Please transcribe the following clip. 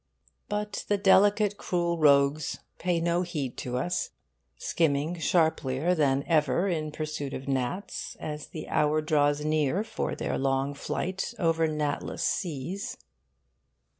But the delicate cruel rogues pay no heed to us, skimming sharplier than ever in pursuit of gnats, as the hour draws near for their long flight over gnatless seas.